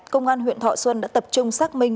công an huyện thọ xuân đã tập trung xác minh